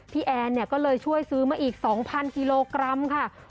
แอนเนี่ยก็เลยช่วยซื้อมาอีก๒๐๐กิโลกรัมค่ะ